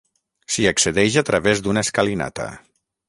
S'hi accedeix a través d'una escalinata.